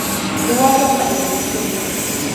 ދުވާލަށް އަލި ވިލިއްޖެ